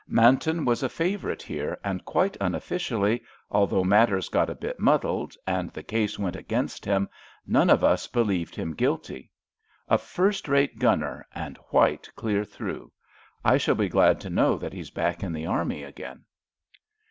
"Manton was a favourite here, and quite unofficially, although matters got a bit muddled, and the case went against him, none of us believed him guilty. A first rate gunner and white clear through. I shall be glad to know that he's back in the army again."